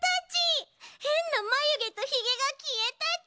へんなまゆげとヒゲがきえたち。